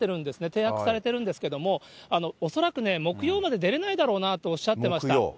停泊されているんですけれども、恐らく、木曜まで出れないだろうなっておっしゃってました。